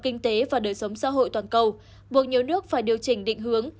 kinh tế và đời sống xã hội toàn cầu buộc nhiều nước phải điều chỉnh định hướng